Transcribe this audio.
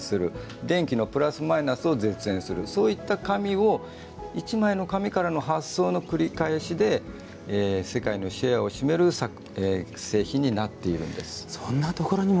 電気のプラス、マイナスを絶縁する、そういったものを１枚の紙からの発想の繰り返しで世界のシェアを占める製品になっているんです。